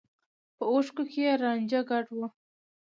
په اوښکو کې يې رانجه ګډ و.